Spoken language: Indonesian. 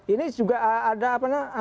ini juga ada apa namanya